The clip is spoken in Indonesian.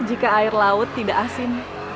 jika air laut tidak asin